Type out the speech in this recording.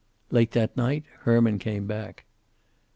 Late that night Herman came back.